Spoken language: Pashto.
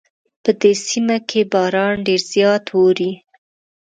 په دې سیمه کې باران ډېر زیات اوري